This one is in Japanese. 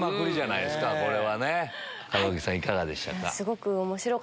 いかがでしたか？